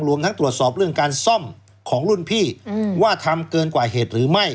รวมทั้งตรวจสอบเรื่องการซ่อมของรุ่นพี่ว่าทำเกินกว่าเหตุหรือไม่